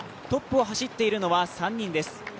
トップを走っているのは３人です。